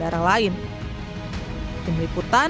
dan juga bisa membahayakan pengguna yang berpengendara lain